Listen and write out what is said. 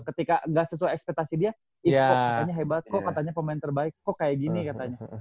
ketika gak sesuai ekspetasi dia itu katanya hebat kok katanya pemain terbaik kok kayak gini katanya